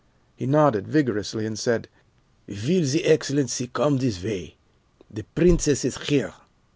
"He nodded vigorously, and said, 'Will the Excellency come this way? The Princess is here.